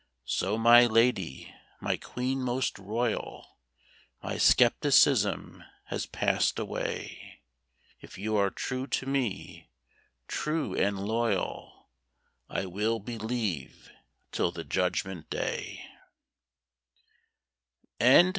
So my lady, my queen most royal, My skepticism has passed away; If you are true to me, true and loyal, I will believe till the Judgment day.